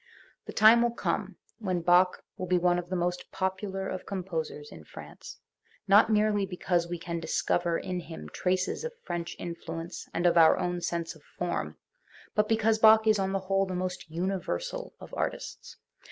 The time will come when Bach will be one of the most popular of composers in France, not merely because we can discover in him traces of French influence and of our own sense of form, but because Bach is on the whole the most universal of artists.